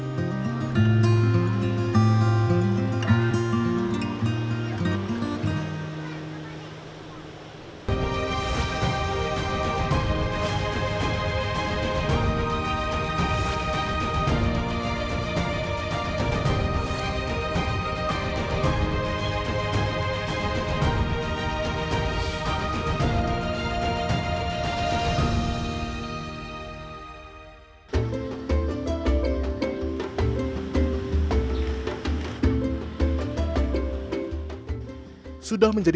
kawasan pesisir membesar